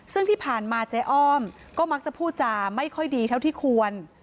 ซึ่งที่ผ่านมาเจ๊อ้อมก็มักจะพูดจาไม่ค่อยดีเท่าที่ควร